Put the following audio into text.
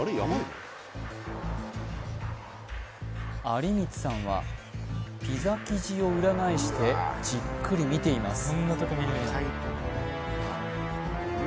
有光さんはピザ生地を裏返してじっくり見ています